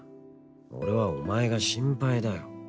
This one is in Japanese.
俺はお前が心配だよ